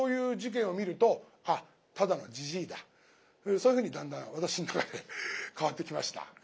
そういうふうにだんだん私の中で変わってきました。